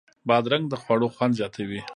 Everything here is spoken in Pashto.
بادرنګ د خوړو خوند زیاتوي.